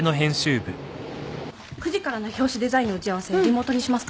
９時からの表紙デザインの打ち合わせリモートにしますか？